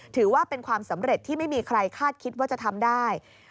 ถือว่าเป็นความสำเร็จที่ไม่มีใครคาดคิดว่าจะทำได้